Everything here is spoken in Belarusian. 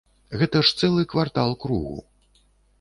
Гэта ж цэлы квартал кругу.